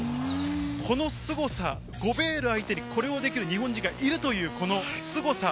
このすごさ、ゴベール相手にこれができる日本人がいるというこのすごさ。